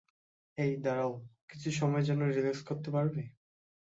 হেই, দাঁড়াও, কিছু সময়ের জন্য রিলাক্স করতে পারবে?